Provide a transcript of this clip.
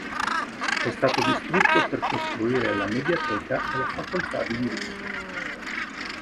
È stato distrutto per costruire la mediateca e la facoltà di diritto.